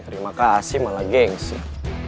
terima kasih malah geng sih